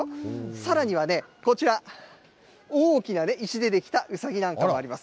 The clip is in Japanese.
さらにはこちら、大きな石で出来たうさぎなんかもあります。